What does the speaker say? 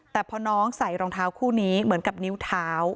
แต่พอน้องใส่รองเท้าคู่นี้เหมือนกับนิ้วเท้า